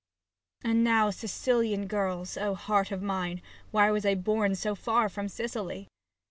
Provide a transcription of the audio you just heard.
And now, Sicilian girls — O heart of mine. Why was I born so far from Sicily